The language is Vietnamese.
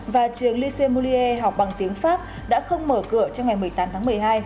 và trường lyce molier học bằng tiếng pháp đã không mở cửa trong ngày một mươi tám tháng một mươi hai